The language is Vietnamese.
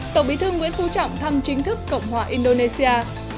tổng bí thư nguyễn phú trọng thăm chính thức cộng hòa indonesia